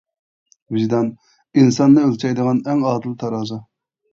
ۋىجدان ئىنساننى ئۆلچەيدىغان ئەڭ ئادىل تارازا.